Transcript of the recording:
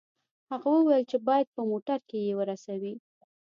هغه وویل چې باید په موټر کې یې ورسوي